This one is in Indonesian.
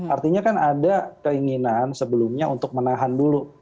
artinya kan ada keinginan sebelumnya untuk menahan dulu